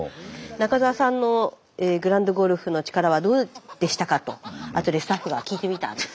「中澤さんのグラウンド・ゴルフの力はどうでしたか？」とあとでスタッフが聞いてみたんです。